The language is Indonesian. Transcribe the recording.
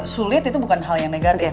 sulit itu bukan hal yang negatif